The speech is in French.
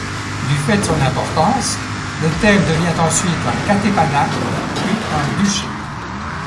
Du fait de son importance, le thème devient ensuite un catépanat puis un duché.